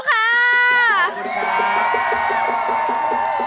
ขอบคุณค่ะ